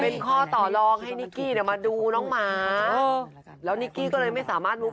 เป็นข้อต่อลองให้นิกกี้เนี่ยมาดูน้องหมาแล้วนิกกี้ก็เลยไม่สามารถลุก